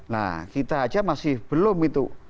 nah kita aja masih belum itu